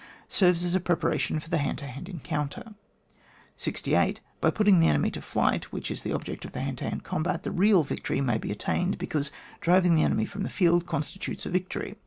Serves as a preparation for the hand to hand encoimter. 68. By putting the enemy to flight, which is the object of the hand to hand combat, the real victory may be attained,' because driving the enemy from the field constitutes a victory.